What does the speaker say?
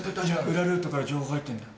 裏ルートから情報入ってんだよ。